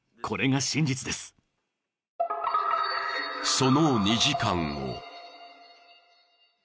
［その２時間後］